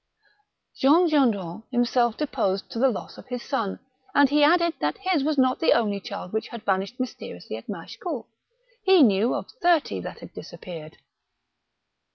Jean Gendron himself deposed to the loss of his son, and he added that his was not the only child which had vanished mysteriously at Machecoul. He knew of thirty that had disappeared.